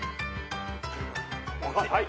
はい。